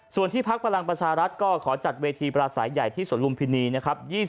ส่วนที่พักพลังประชารัฐก็ขอจัดเวทีปราศัยใหญ่ที่สวนลุมพินีนะครับ